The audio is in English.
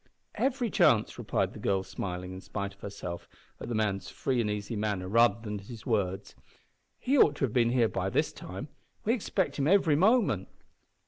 "Every chance," replied the girl, smiling, in spite of herself, at the man's free and easy manner rather than his words. "He ought to have been here by this time. We expect him every moment."